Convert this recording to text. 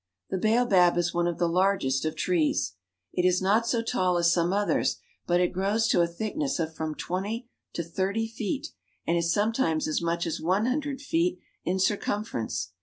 The baobab is one of the largest of trees. It LAGOS — A VISIT TO A WEST AFRICAN FACTORY is not so tall as some others, but it grows to a thickness of from twenty to thirty feet, and is sometimes as much as one hundred feet in circumference.